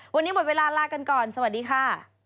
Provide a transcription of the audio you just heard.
วันนี้หมดเวลาลากันก่อนสวัสดีค่ะ